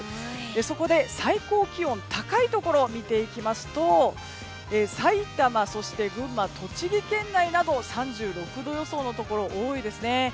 そこで最高気温が高いところを見ていきますと埼玉、そして群馬、栃木県内など３６度予想のところ多いですね。